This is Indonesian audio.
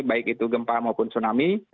baik itu gempa maupun tsunami